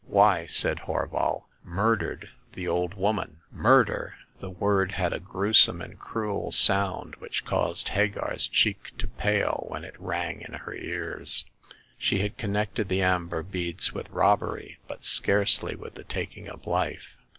"Why," said Horval, "murdered the old woman." 66 Hagar of the Pawn Shop. Murder ! The word had a gruesome and cruel sound, which caused Hagar's cheek to pale when it rang in her ears. She had connected the amber beads with robbery, but scarcely with the taking of life.